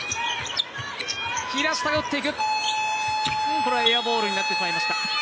これはエアボールになってしまいました。